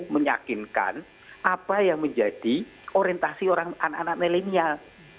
menyakinkan apa yang menjadi orientasi orang anak anak milenial